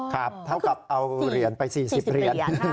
เท่ากับเอาเหรียญไป๔๐เหรียญ